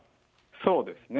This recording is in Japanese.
そうですね。